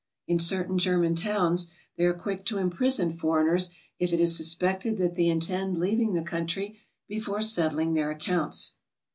In certain German towns they are quick to imprison foreigners if it is suspected that they intend leaving the country before settling their accounts.